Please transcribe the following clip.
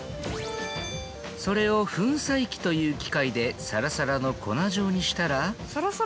それを粉砕機という機械でサラサラの粉状にしたら。